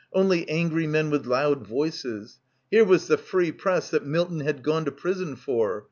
Only angry men with loud voices. Here was the free Press that Milton had gone to prison for.